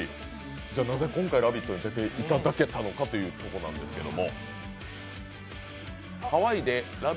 じゃあ、なぜ今回「ラヴィット！」に出ていただけたのかということなんですけど？